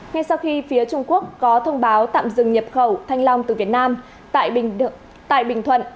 ngay sau khi phía trung quốc có thông báo tạm dừng nhập khẩu thanh long từ việt nam tại bình thuận